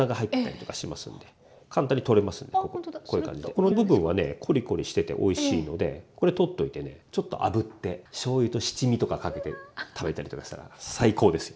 この部分はねコリコリしてておいしいのでこれ取っといてねちょっとあぶってしょうゆと七味とかかけて食べたりとかしたら最高ですよ。